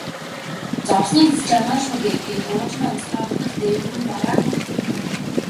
Зовсны эцэст жаргана шүү дээ гээд уужим амьсгаа автал дээгүүр нь бараан үүл бүрхэв.